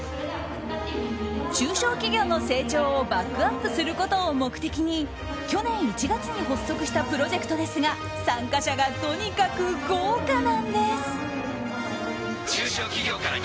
中小企業の成長をバックアップすることを目的に去年１月に発足したプロジェクトですが参加者がとにかく豪華なんです。